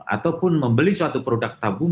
ataupun membeli suatu produk tabung